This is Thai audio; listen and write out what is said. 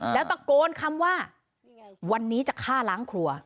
แล้วตะโกนคำว่าวันนี้จะฆ่าล้างครัว